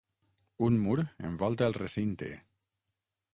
Un mur envolta el recinte.